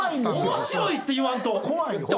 面白いって言わんと。